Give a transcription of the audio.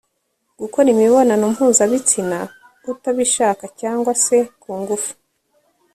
gukora imibonano mpuzabitsina utabishaka, cyangwa se ku ngufu.